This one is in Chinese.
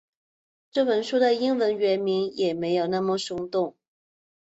这本书的英文原名也没那么耸动